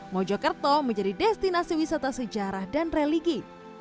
mojokerto menjadi destinasi wisata sejarah dan religi